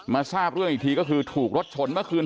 ทราบเรื่องอีกทีก็คือถูกรถชนเมื่อคืน